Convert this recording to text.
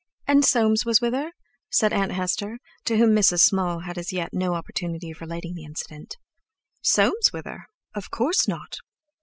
"And Soames was with her?" said Aunt Hester, to whom Mrs. Small had as yet had no opportunity of relating the incident. "Soames with her? Of course not!"